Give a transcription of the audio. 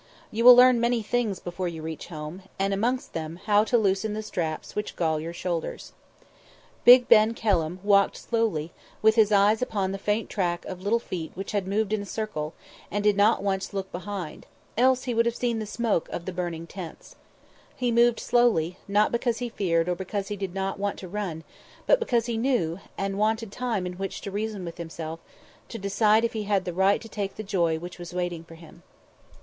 You will learn many things before you reach home, and amongst them how to loosen the straps which gall your shoulders. Big Ben Kelham walked slowly, with his eyes upon the faint track of little feet which had moved in a circle, and not once did he look behind, else would he have seen the smoke of the burning tents. He moved slowly, not because he feared or because he did not want to run, but because he knew, and wanted time in which to reason with himself, to decide if he had the right to take the joy which was waiting for him.